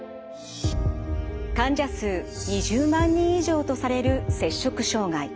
患者数２０万人以上とされる摂食障害。